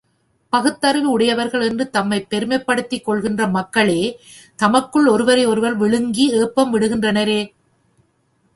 பகுத்தறிவு உடையவர்கள் என்று தம்மைப் பெருமைப்படுத்திக் கொள்கின்ற மக்களே, தமக்குள் ஒருவரை ஒருவர் விழுங்கி ஏப்பம் விடுகின்றனரே!